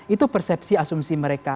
itu persepsi asumsi mereka